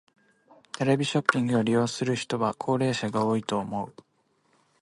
テレビショッピングを利用する人は高齢者が多いと思う。